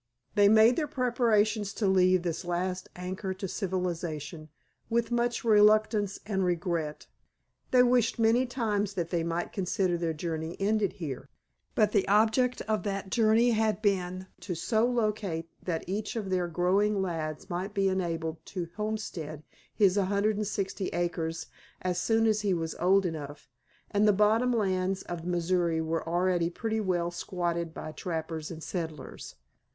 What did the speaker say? They made their preparations to leave this last anchor to civilization with much reluctance and regret. They wished many times that they might consider their journey ended here. But the object of that journey had been to so locate that each of their growing lads might be enabled to homestead his 160 acres as soon as he was old enough, and the bottom lands of the Missouri were already pretty well squatted by trappers and settlers.